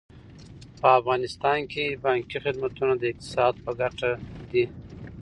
په افغانستان کې بانکي خدمتونه د اقتصاد په ګټه دي.